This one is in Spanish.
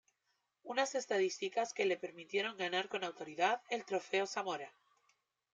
Unas estadísticas que le permitieron ganar con autoridad el Trofeo Zamora.